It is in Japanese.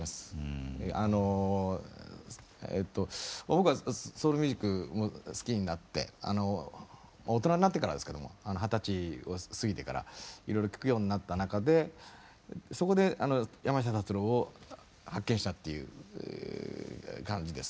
僕はソウル・ミュージックを好きになって大人になってからですけども二十歳を過ぎてからいろいろ聴くようになった中でそこで山下達郎を発見したっていう感じですね。